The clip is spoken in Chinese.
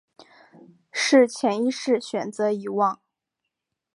是潜意识选择遗忘